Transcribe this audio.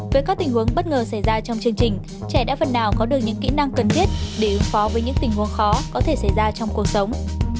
với các tình huống bất ngờ xảy ra trong chương trình trẻ đã phần nào có được những kỹ năng cần thiết để ứng phó với những tình huống khó có thể xảy ra trong cuộc sống